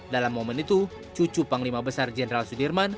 dalam momen itu cucu panglima besar jenderal sudirman